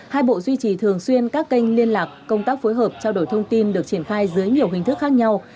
hai bộ duy trì thường xuyên các kênh liên lạc công tác phối hợp trao đổi thông tin được triển khai dưới nhiều hình thức khác nhau